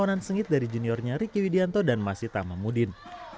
dan perlawanan sengit dari juniornya ricky widianto dan masita mamudin